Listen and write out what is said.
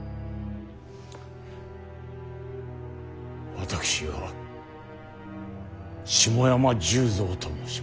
私は霜山重蔵と申します。